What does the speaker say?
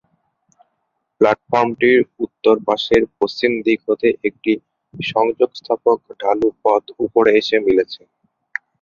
প্লাটফরমটির উত্তরপাশের পশ্চিম দিক হতে একটি সংযোগ-স্থাপক ঢালু পথ উপরে এসে মিলেছে।